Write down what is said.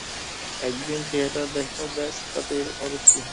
একদিন থিয়েটার দেখো, ব্যস, তাতেই অরুচি।